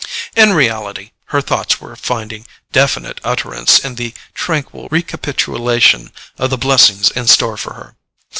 In reality, her thoughts were finding definite utterance in the tranquil recapitulation of the blessings in store for her.